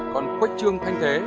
còn quét trương thanh thế